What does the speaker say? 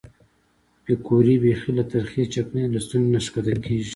پیکورې بیخي له ترخې چکنۍ له ستوني نه ښکته کېږي.